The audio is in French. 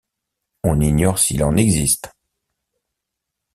On ignore s'il en existe.